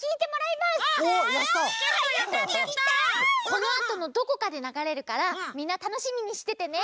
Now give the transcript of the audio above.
このあとのどこかでながれるからみんなたのしみにしててね！